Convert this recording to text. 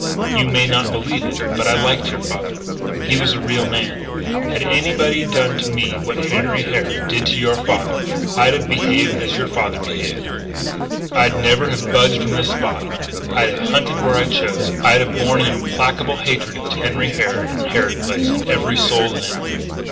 You may not believe it, but I liked your father. He was a real man. Had anybody done to me what Henry Harrod did to your father I'd have behaved as your father behaved; I'd never have budged from this spot; I'd have hunted where I chose; I'd have borne an implacable hatred against Henry Harrod and Harrod Place, and every soul in it!"